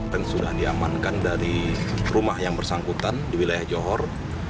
dan sudah diamankan dari rumah yang bersangkutan di wilayah johor